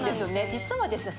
実はですね